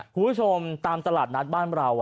คุณผู้ชมตามตลาดนัดบ้านเรา